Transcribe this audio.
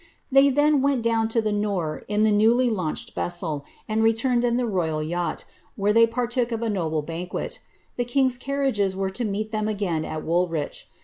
They then went down to the Nore in the newly launched vessel, and returned in the royal yacht, where they partook of a noble banquet. The king^s ci^r riages were to meet them again at Woolwich.